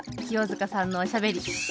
清塚さんのおしゃべり。